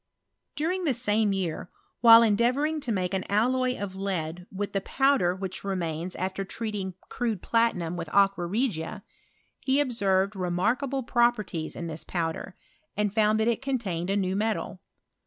ingl^ same year, while endeavouring to make >y of lead with the powder which remains after ~ 238 "BISTORT OF CHKUUTSf. treating (^rude platinum with aqua regia, lie observed remarkable properties in this powder, and found thai it contaioed a new metal.